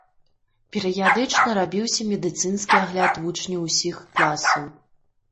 Перыядычна рабіўся медыцынскі агляд вучняў усіх класаў.